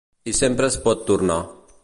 I sempre es pot tornar.